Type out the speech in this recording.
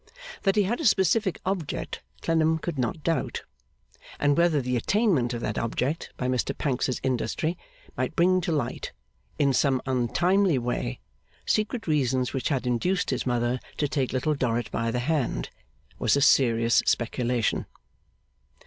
That he had a specific object Clennam could not doubt. And whether the attainment of that object by Mr Pancks's industry might bring to light, in some untimely way, secret reasons which had induced his mother to take Little Dorrit by the hand, was a serious speculation.